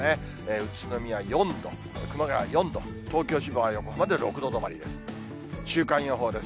宇都宮４度、熊谷４度、東京、千葉、横浜では６度止まりです。